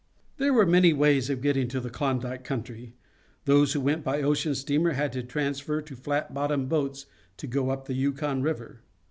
There were many ways of getting to the Klondike country. Those who went by ocean steamer had to transfer to flat bottomed boats to go up the Yukon River.